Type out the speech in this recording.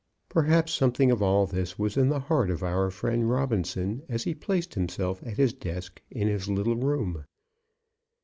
Perhaps something of all this was in the heart of our friend Robinson as he placed himself at his desk in his little room.